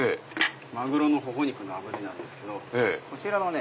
マグロの頬肉のあぶりなんですけどこちらのね